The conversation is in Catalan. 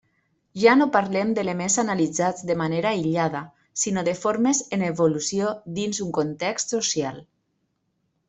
Ja no parlem d'elements analitzats de manera aïllada, sinó de formes en evolució dins un context social.